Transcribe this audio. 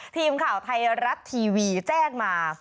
ทีมข่าวไทยรัฐทีวีแจ้งมา